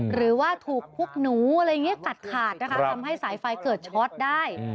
หรือว่าถูกพวกหนูอะไรอย่างนี้ตัดขาดนะคะทำให้สายไฟเกิดช็อตได้